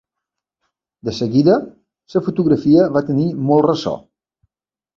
De seguida la fotografia va tenir molt ressò.